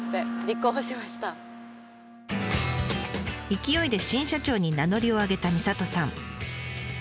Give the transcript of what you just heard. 勢いで新社長に名乗りを上げたみさとさん。